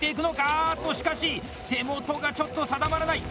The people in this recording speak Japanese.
あっと、しかし手元がちょっと定まらない！